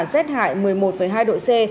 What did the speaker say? z hại một mươi một hai độ c